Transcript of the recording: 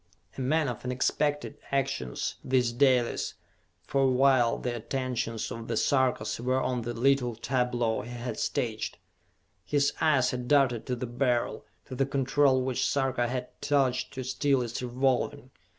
A man of unexpected actions, this Dalis, for while the attentions of the Sarkas were on the little tableau he had staged, his eyes had darted to the Beryl, to the control which Sarka had touched to still its revolving.